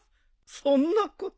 そんなこと